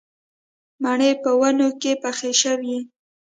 مڼې په ونو کې پخې شوې